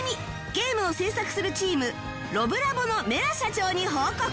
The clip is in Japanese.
ゲームを制作するチームロブラボのメラ社長に報告